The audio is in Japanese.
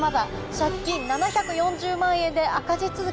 借金７４０万円で赤字続き。